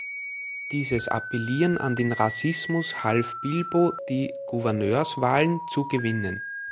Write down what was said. Dieses Appellieren an den Rassismus half Bilbo die Gouverneurswahlen zu gewinnen.